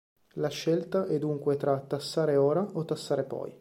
La scelta è dunque tra "tassare ora" o "tassare poi".